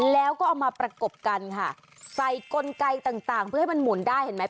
แล้วก็เอามาประกบกันค่ะใส่กลไกต่างต่างเพื่อให้มันหมุนได้เห็นไหม